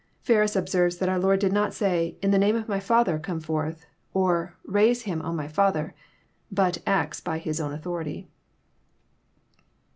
Feros observes that our Lord did not say, " In the name of my Father come forth," or " Raise Him, O my Father, but acts by His own authority.